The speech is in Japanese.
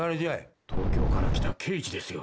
東京から来た刑事ですよ。